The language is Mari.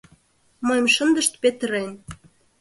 Мыйым шындышт петырен.